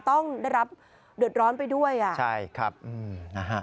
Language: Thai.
ต้องได้รับเดือดร้อนไปด้วยอ่ะใช่ครับอืมนะฮะ